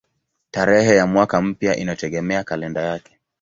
Tarehe ya mwaka mpya inategemea kalenda yake.